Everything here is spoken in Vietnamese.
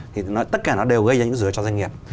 thì tất cả nó đều gây ra những rủi ro cho doanh nghiệp